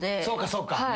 そうかそうか。